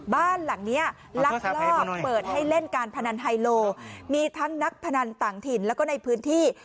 บ้านหลังนี้ลักลอบเปิดให้เล่นการพนันไฮโลมีทั้งนักพนันต่างถิ่นแล้วก็ในพื้นที่